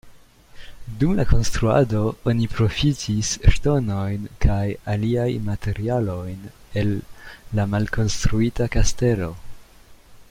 Dum la konstruado oni profitis ŝtonojn kaj aliaj materialojn el la malkonstruita kastelo.